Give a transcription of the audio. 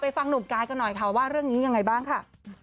ฟังหนุ่มกายกันหน่อยค่ะว่าเรื่องนี้ยังไงบ้างค่ะ